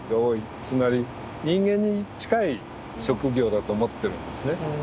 つまり人間に近い職業だと思ってるんですね。